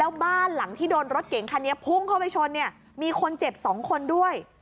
แล้วบ้านหลังที่โดนรถเก่งคันนี้พุ่งเข้าไปชนเนี่ยมีคนเจ็บ๒คนด้วย